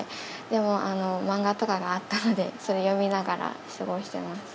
でも漫画とかがあったので、それ読みながら過ごしてます。